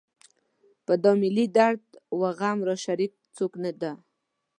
په دا ملي درد و غم راشریک څوک نه ده.